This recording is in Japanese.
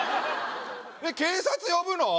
えっ警察呼ぶの？